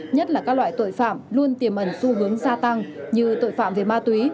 nhất là các loại tội phạm luôn tiềm ẩn xu hướng gia tăng như tội phạm về ma túy